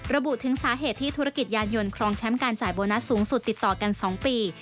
ระบุถึงสาเหตุที่ธุรกิจยานยนต์ครองแชมป์การจ่ายโบนัสสูงสุดติดต่อกัน๒ปี